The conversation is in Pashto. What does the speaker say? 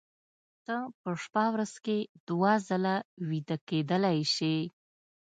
ته په شپه ورځ کې دوه ځله ویده کېدلی شې